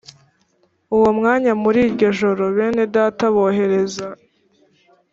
uwo mwanya muri iryo joro bene data bohereza